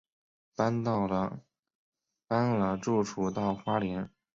搬了住处到花莲